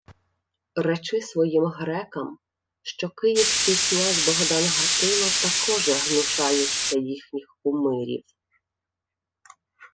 — Речи своїм грекам, що київський князь Богдан Гатило такоже гнушається їхніх кумирів.